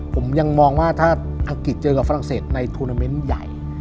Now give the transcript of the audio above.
ผมยังมองว่าถ้าอังกฤษเจอกับฝรั่งเศสในทวนาเมนต์ใหญ่